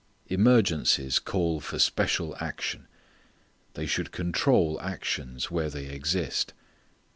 Emergencies call for special action. They should control actions, where they exist.